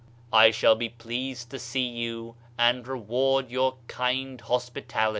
I shall be pleased to see you and reward your kind hospitali^."